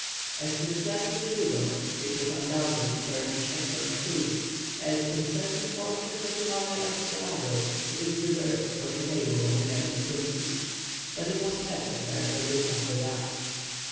As to the flesh of the dugong, it would undoubtedly furnish excellent food, as in certain portions of the Malay archipelago it is reserved for the table of the native princes. But it was Neb's affair to look after that.